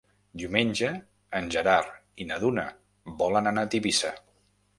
Diumenge en Gerard i na Duna volen anar a Tivissa.